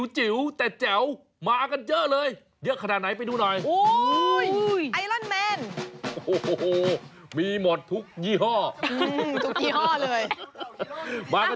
จิ๋วแต่เจ๋ว